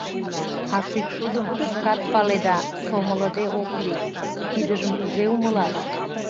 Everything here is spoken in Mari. А шӱкшудым, шкат паледа, сомылыде ок лий— Тидыжым кузе умылаш?